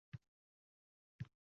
Habiba buvi ko‘p tuqqan.